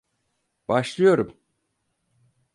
Başlıyorum.